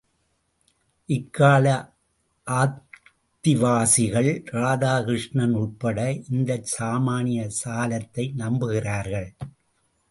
இக்கால ஆத்திகவாதிகள், ராதாகிருஷ்ணன் உள்பட இந்த சாமான்ய சாலத்தை நம்புகிறார்கள்.